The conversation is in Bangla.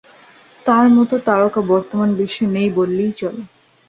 তার মতো তারকা বর্তমান বিশ্বে নেই বললেই চলে।